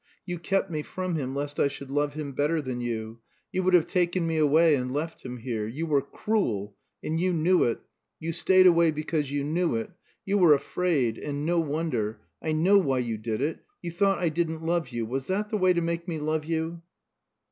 You kept me from him lest I should love him better than you. You would have taken me away and left him here. You were cruel. And you knew it. You stayed away because you knew it. You were afraid, and no wonder. I know why you did it. You thought I didn't love you. Was that the way to make me love you?"